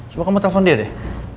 coba kamu telpon dia deh